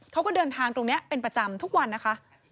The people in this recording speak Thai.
เขาก็เดินทางตรงนี้เป็นประจำทุกวันนะคะ